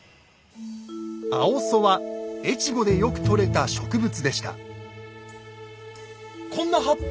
「青苧」は越後でよく採れた植物でした。